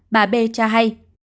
bà b cho hay